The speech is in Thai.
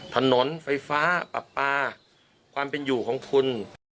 ถนนไฟฟ้าปรับปลาความเป็นอยู่ของคุณ